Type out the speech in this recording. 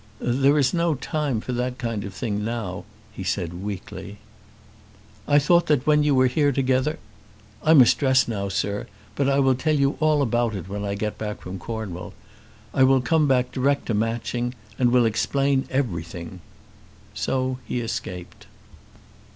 "There is no time for that kind of thing now," he said weakly. "I thought that when you were here together " "I must dress now, sir; but I will tell you all about it when I get back from Cornwall. I will come back direct to Matching, and will explain everything." So he escaped.